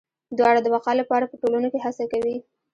دواړه د بقا لپاره په ټولنو کې هڅه کوي.